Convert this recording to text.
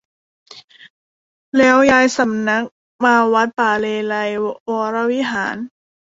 แล้วย้ายสำนักมาวัดป่าเลไลยก์วรวิหาร